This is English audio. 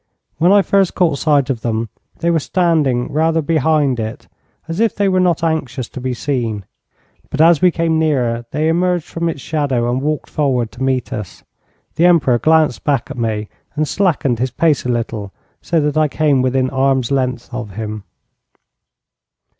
When I first caught sight of them they were standing rather behind it, as if they were not anxious to be seen, but as we came nearer they emerged from its shadow and walked forward to meet us. The Emperor glanced back at me, and slackened his pace a little so that I came within arm's length of him.